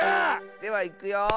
ではいくよ。